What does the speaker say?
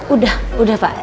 udah udah pak